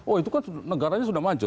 oh itu kan negaranya sudah maju